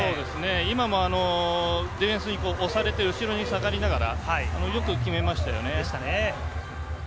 今もディフェンスに押されて、後ろに下がりながら、よく決めましたよね。